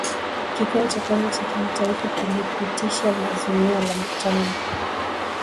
kikao cha kwanza cha kimataifa kilipitisha azimio la mkutano mkuu